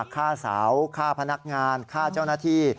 ฆ่าเสาฆ่าพนักงานฆ่าเจ้าหน้าที่